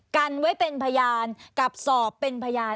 กันไว้เป็นพยานกับสอบเป็นพยาน